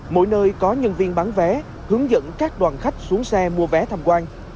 mỗi nơi có nhân viên bán vé hướng dẫn các đoàn khách xuống xe mua vé tham quan